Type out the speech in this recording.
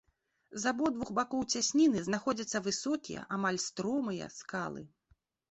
З абодвух бакоў цясніны знаходзяцца высокія, амаль стромыя, скалы.